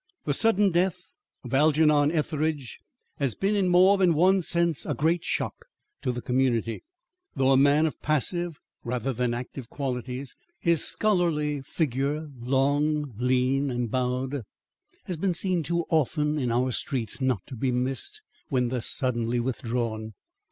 "The sudden death of Algernon Etheridge has been in more than one sense a great shock to the community. Though a man of passive rather than active qualities, his scholarly figure, long, lean and bowed, has been seen too often in our streets not to be missed, when thus suddenly withdrawn.